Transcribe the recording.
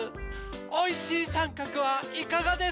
おいしいさんかくはいかがですか？